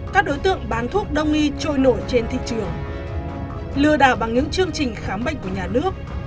các đối tượng bán thuốc đông y trôi nổi trên thị trường lừa đảo bằng những chương trình khám bệnh của nhà nước